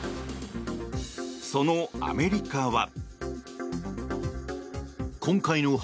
そのアメリカは。